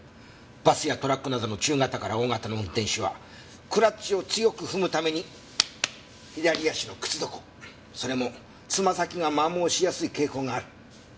バスやトラックなどの中型から大型の運転手はクラッチを強く踏むために左足の靴底それもつま先が磨耗しやすい傾向がある。